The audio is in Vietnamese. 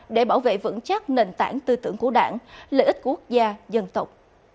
để bảo vệ vững chắc nền tảng tư tưởng của đảng lợi ích quốc gia dân tộc